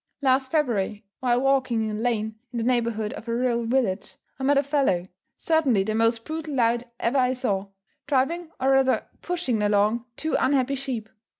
Last February, while walking in a lane in the neighbourhood of a rural village, I met a fellow certainly the most brutal lout ever I saw driving, or rather pushing along, two unhappy sheep.